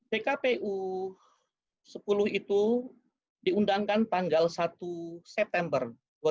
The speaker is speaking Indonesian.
pkpu sepuluh itu diundangkan tanggal satu september dua ribu dua puluh